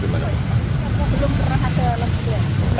belum pernah ada lembunnya